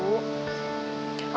aku serius tahu